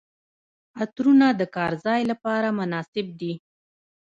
عطرونه د کار ځای لپاره مناسب دي.